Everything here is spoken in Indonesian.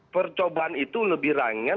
percobaan itu lebih rangen